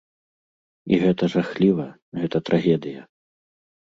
І гэта жахліва, гэта трагедыя.